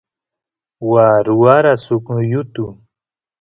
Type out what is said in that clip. waa ruwara suk yutu